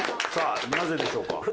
さあなぜでしょうか？